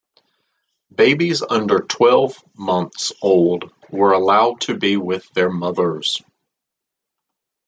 Babies under twelve months old were allowed to be with their mothers.